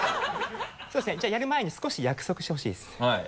そうですねじゃあやる前に少し約束してほしいですはい。